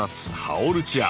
ハオルチア。